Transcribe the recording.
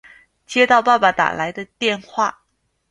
接到爸爸打来的电话